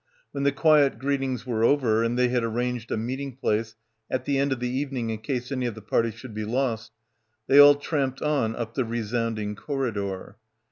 When the quiet greetings were over and they had arranged a meeting place at the end of the evening in case any of the party should be lost, they all tramped on up the resounding corridor.